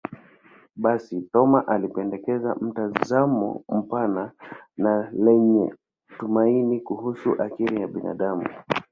Basi, Thoma alipendekeza mtazamo mpana na lenye tumaini kuhusu akili ya binadamu.